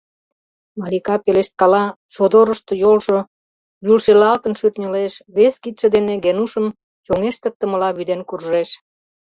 — Малика пелешткала, содорышто йолжо вӱлшелалтын шӱртньылеш, вес кидше дене Геҥушым чоҥештыктымыла вӱден куржеш.